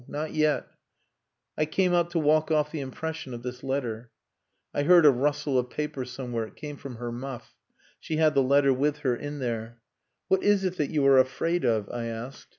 Not yet. I came out to walk off the impression of this letter." I heard a rustle of paper somewhere. It came from her muff. She had the letter with her in there. "What is it that you are afraid of?" I asked.